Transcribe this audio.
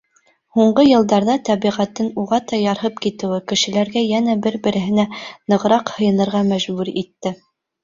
Һуңғы йылдарҙа тәбиғәттең уғата ярһып китеүе кешеләргә йәнә бер-береһенә нығыраҡ һыйынырға мәжбүр итте.